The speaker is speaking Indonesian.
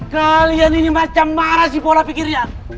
kalian ini macam marah sih pola pikirnya